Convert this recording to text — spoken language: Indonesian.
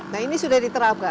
nah ini sudah diterapkan